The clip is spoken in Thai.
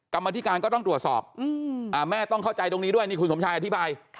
กรรมธิการก็ต้องตรวจสอบแม่ต้องเข้าใจตรงนี้ด้วยนี่คุณสมชายอธิบาย